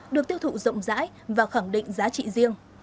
được tiêu thụ rộng rãi và khẳng định giá trị riêng